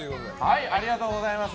ありがとうございます。